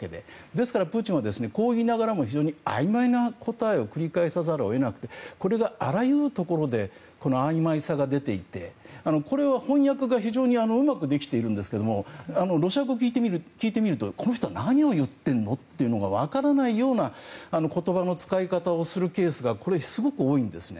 ですから、プーチンはこう言いながらも非常にあいまいな答えを繰り返さざるを得なくてこれがあらゆるところであいまいさが出ていてこれは翻訳が非常にうまくできていますがロシア語で聞いてみるとこの人は何を言っているの？というのが分からないような言葉の使い方をするケースがすごく多いんですね。